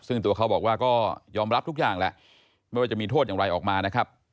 ซึ่งตัวเขาบอกว่าก็ยอมรับทุกอย่างแหละไม่ว่าจะมีโทษอย่างไรออกมานะครับ